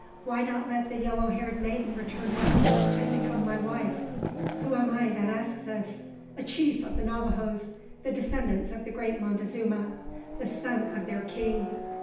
"Why not let the yellow haired maiden return with us, and become my wife? Who am I that ask this? A chief of the Navajoes, the descendants of the great Montezuma; the son of their king!"